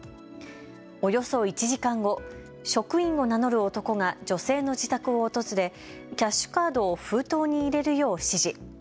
およそ１時間後、職員を名乗る男が女性の自宅を訪れキャッシュカードを封筒に入れるよう指示。